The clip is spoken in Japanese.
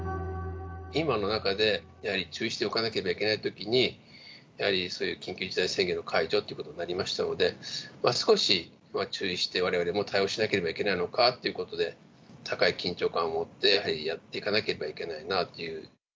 今の中で、注意しておかなければいけないときに、やはりそういう緊急事態宣言の解除ってことになりましたので、少し注意して、われわれも対応しなければいけないのかっていうことで、高い緊張感を持って、やはりやっていかなければいけないなっていう。